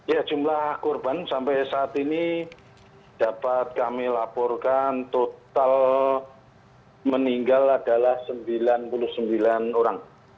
ya jumlah korban sampai saat ini dapat kami laporkan total meninggal adalah sembilan puluh sembilan orang